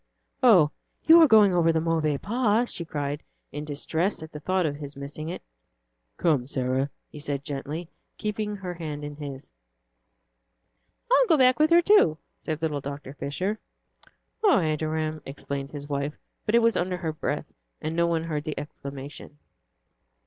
"Oh, you are going over the Mauvais Pas," she cried in distress at the thought of his missing it. "Come, Sarah," he said gently, keeping her hand in his. "I'll go back with her too," said little Dr. Fisher. "Oh, Adoniram!" exclaimed his wife, but it was under her breath, and no one heard the exclamation.